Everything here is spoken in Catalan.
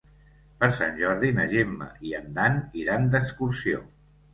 Per Sant Jordi na Gemma i en Dan iran d'excursió.